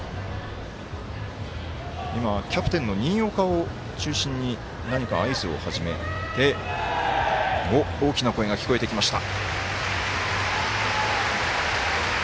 今、キャプテンの新岡を中心に何か、合図を始めて大きな声が聞こえてきました。